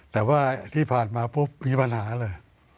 แต่ว่าที่ผ่านมาปุ๊บมีปัญหาเลย